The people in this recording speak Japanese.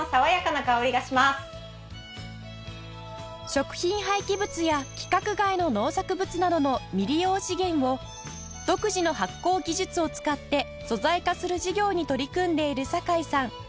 食品廃棄物や規格外の農作物などの未利用資源を独自の発酵技術を使って素材化する事業に取り組んでいる酒井さん